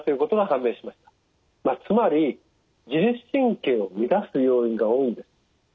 まあつまり自律神経を乱す要因が多いんです。